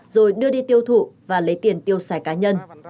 rồi đưa đi tiêu thụ và lấy tiền tiêu xài cá nhân